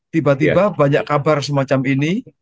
tiba tiba banyak kabar semacam ini